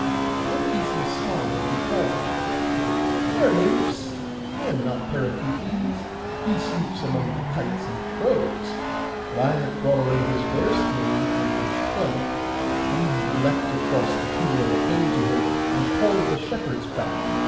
Then Theseus smiled, and called them, 'Fair nymphs, I am not Periphetes. He sleeps among the kites and crows; but I have brought away his bearskin and his club.' Then they leapt across the pool, and came to him, and called the shepherds back.